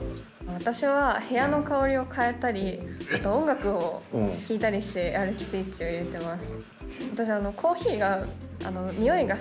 私は部屋の香りを変えたり音楽を聴いたりしてやる気スイッチを入れてます。